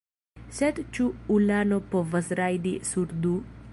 Sed ĉu ulano povas rajdi sur du?